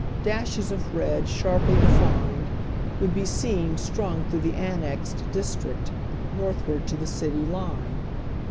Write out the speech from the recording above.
Dashes of red, sharply defined, would be seen strung through the Annexed Dis trict, northward to the city line.